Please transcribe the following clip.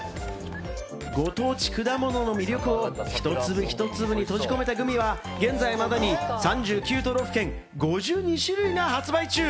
ご当地果物の魅力を一粒一粒に閉じ込めたグミは、現在までに３９都道府県５２種類が発売中。